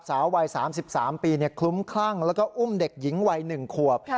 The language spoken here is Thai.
สาววัย๓๓ปีคลุ้มคลั่งแล้วก็อุ้มเด็กหญิงวัย๑ขวบ